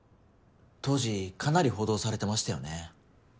当時かなり報道されてましたよね。